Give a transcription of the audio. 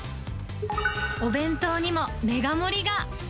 お弁当にもメガ盛りが。